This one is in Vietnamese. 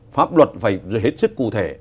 pháp luật phải hết sức cụ thể